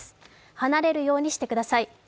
離れるようにしてください。